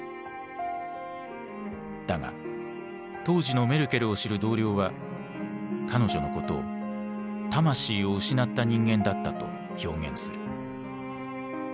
だが当時のメルケルを知る同僚は彼女のことを魂を失った人間だったと表現する。